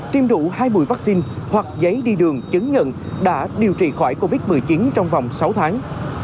tiêm đủ hai mùi vaccine hoặc giấy đi đường chứng nhận đã điều trị khỏi covid một mươi chín trong vòng sáu tháng